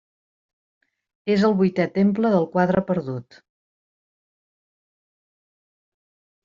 És el vuitè temple del Quadre Perdut.